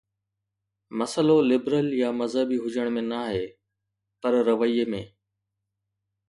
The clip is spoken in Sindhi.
مسئلو لبرل يا مذهبي هجڻ ۾ نه آهي، پر رويي ۾.